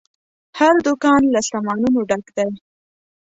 هر دوکان له سامانونو ډک دی.